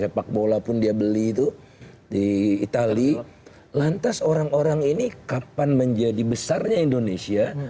sepak bola pun dia beli itu di itali lantas orang orang ini kapan menjadi besarnya indonesia